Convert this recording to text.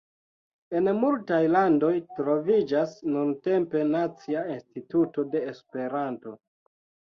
En multaj landoj troviĝas nuntempe nacia instituto de Esperanto.